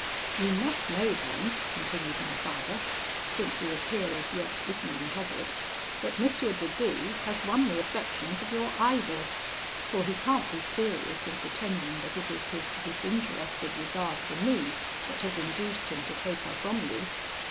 'You must know then,' continued my father, 'since you appear as yet ignorant of it, that M. de B has won the affections of your idol; for he can't be serious in pretending that it is his disinterested regard for me that has induced him to take her from you.